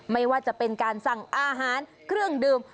ไม่ว่าจะเป็นการสั่งอาหารเครื่องดื่ม